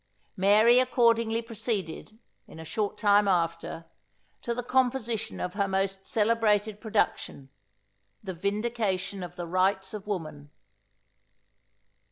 Mary accordingly proceeded, in a short time after, to the composition of her most celebrated production, the Vindication of the Rights of Woman.